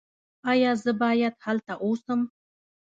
ایا زه باید هلته اوسم؟